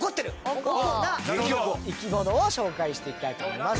おこな生き物を紹介していきたいと思います。